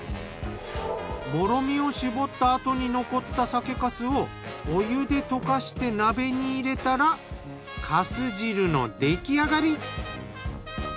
もろみを搾ったあとに残った酒粕をお湯で溶かして鍋に入れたら粕汁の出来上がり。